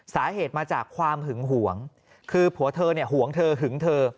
สาเหตุมาจากความหึงหวงคือผัวเธอเนี่ยห่วงเธอหึงเธอ